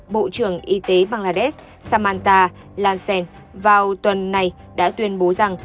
bộ trưởng y tế bangladesh samanta lansen vào tuần này đã tuyên bố rằng